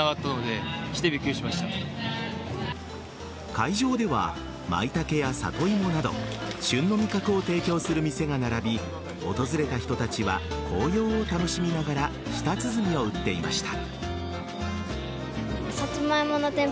会場ではマイタケやサトイモなど旬の味覚を提供する店が並び訪れた人たちは紅葉を楽しみながら舌鼓を打っていました。